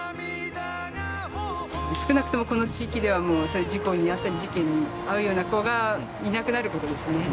少なくともこの地域ではもうそういう事故に遭ったり事件に遭うような子がいなくなることですね。